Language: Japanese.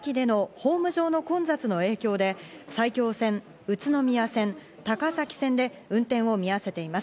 また赤羽駅でのホーム上の混雑の影響で埼京線、宇都宮線、高崎線で運転を見合わせています。